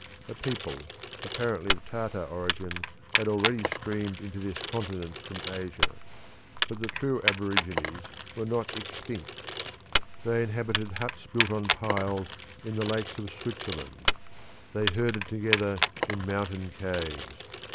A people, apparently of Tartar origin, had already streamed into this continent from Asia; but the true aborigines were not extinct; they inhabited huts built on piles in the lakes of Switzerland; they herded together in mountain caves.